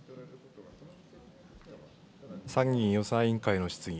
参議院予算委員会の質疑。